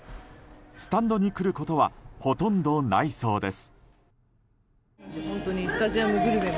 スタンドに来ることはほとんどないそうです。